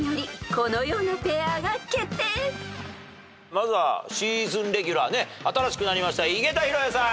まずはシーズンレギュラー新しくなりました井桁弘恵さん。